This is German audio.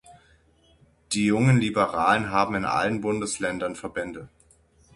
Die Jungen Liberalen haben in allen Bundesländern Verbände.